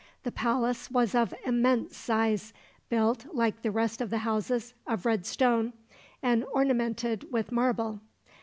The palace was of immense size, built, like the rest of the houses, of red stone, and ornamented with marble.